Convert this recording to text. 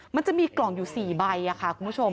มันจะมีกล่องอยู่๔ใบค่ะคุณผู้ชม